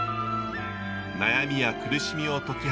悩みや苦しみを解き放ち